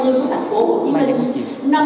của thành phố hồ chí minh